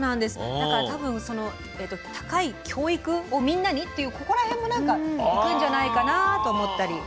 だから多分「高い教育をみんなに」というここら辺もいくんじゃないかなと思ったり。